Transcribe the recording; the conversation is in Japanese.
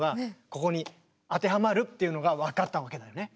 ここに当てはまるっていうのが分かったわけだよね。